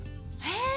へえ！